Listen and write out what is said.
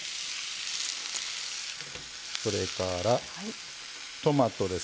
それからトマトですね。